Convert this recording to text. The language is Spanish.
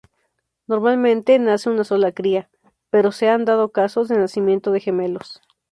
Normalmente nace una sola cría, pero se han dado casos de nacimiento de gemelos.